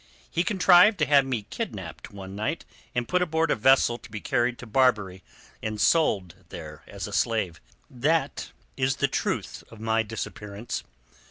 He contrived to have me kidnapped one night and put aboard a vessel to be carried to Barbary and sold there as a slave. That is the truth of my disappearance.